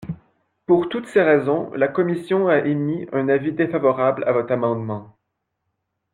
Pour toutes ces raisons, la commission a émis un avis défavorable à votre amendement.